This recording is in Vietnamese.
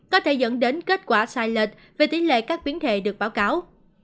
có thể dẫn đến kết quả sai lệch về tỷ lệ các biến thể được báo cáo